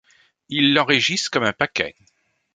Ils l’enregistrent comme un paquet !